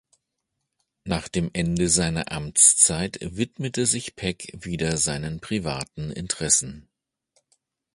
Nach dem Ende seiner Amtszeit widmete sich Peck wieder seinen privaten Interessen.